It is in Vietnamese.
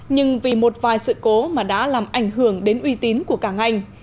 nhưng vì một vài sự cố mà đã làm ảnh hưởng đến uy tín của cả ngành